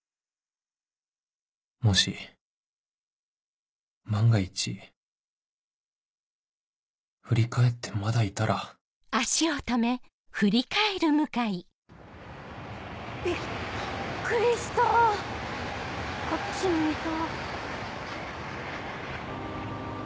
もし万が一振り返ってまだいたらびっくりしたこっち向いた。